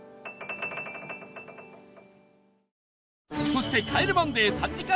そして『帰れマンデー』３時間